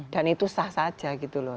dan itu sah saja gitu loh